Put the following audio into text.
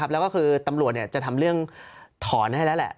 แล้วก็คือตำรวจจะทำเรื่องถอนให้แล้วแหละ